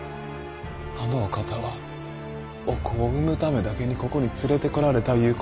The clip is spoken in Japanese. あのお方はお子を産むためだけにここに連れてこられたいうことでございますか？